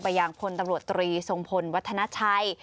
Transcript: ยังพลตำรวจตรีทรงพลวัฒนาชัย